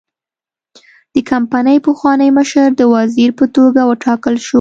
د کمپنۍ پخوانی مشر د وزیر په توګه وټاکل شو.